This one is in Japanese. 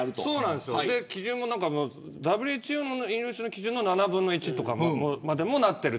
基準もＷＨＯの飲料水の基準の７分の１とかになっている。